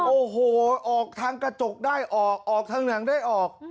โอ้โหออกทางกระจกได้ออกออกทางหนังได้ออก